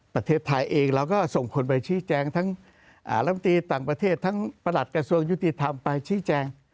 ประเทศไทยเองเราก็ส่งคนไปชี้แจงทั้งลำตีต่างประเทศทั้งประหลัดกระทรวงยุติธรรมไปชี้แจง